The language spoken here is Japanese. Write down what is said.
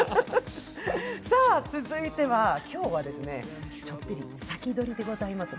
続いては、今日はちょっぴり先取りでございます。